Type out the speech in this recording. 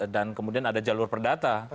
dan kemudian ada jalur perdata